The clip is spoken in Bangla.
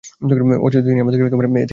অথচ তিনি আমাদেরকে এ থেকে মুক্তি দিয়েছেন।